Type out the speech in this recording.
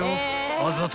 あざと